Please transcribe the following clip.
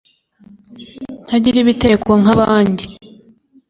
ntagira ibitereko nk'abandi